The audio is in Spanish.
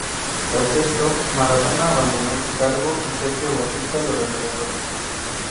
Tras esto, Maradona abandonó su cargo y Sergio Batista lo reemplazó.